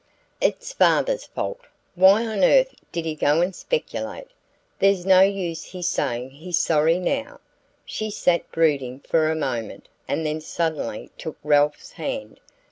"It's father's fault. Why on earth did he go and speculate? There's no use his saying he's sorry now!" She sat brooding for a moment and then suddenly took Ralph's hand.